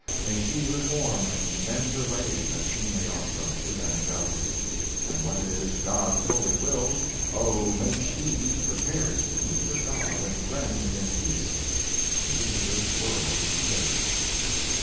May she reform and mend her ways, That she may also to them go. And when it is God's holy will, O, may she be prepared To meet her God and friends in peace, And leave this world of care.